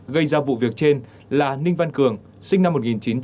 gây ra vụ việc trên là ninh văn cường sinh năm một nghìn chín trăm chín mươi tám